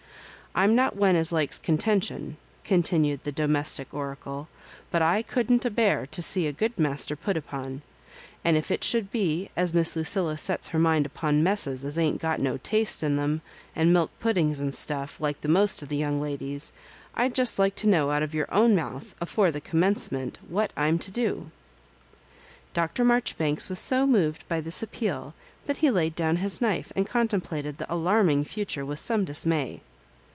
I'm not one as likes contention," continued the domestic oracle, "but I couldn't abear to see a good master put upon ; and if it should be as Miss Lucilla sets her mind upon messes as ain't got no taste in them, and milk puddings and stufi^ like the most of the ladies, I'd just like to know out of your own mouth, afore the commencement, what I*m to do?" Dr. Maijoribanks was so moved by this appeal that he laid down his knife and contemplated the alarming future with some dismay.